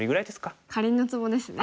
かりんのツボですね。